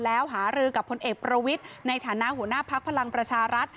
แล้วหารือกับพลเอกประวิทย์ในฐานะหัวหน้าพักพลังประชารัฐ